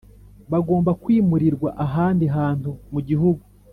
Bagomba kwimurirwa ahandi hantu mu gihugu